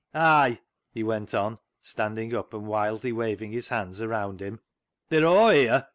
Ay," he went on, standing up and wildly waving his hands around him, " they're aw here.